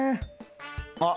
あっ！